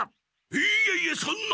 いえいえそんな。